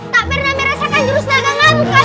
tak pernah merasakan jurus dagang kamu kalian